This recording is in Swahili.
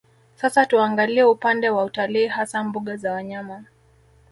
Sasa tuangalie upande wa utalii hasa mbuga za wanyama